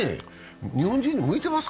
日本人に向いてますか？